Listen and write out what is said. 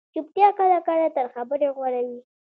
چُپتیا کله کله تر خبرې غوره وي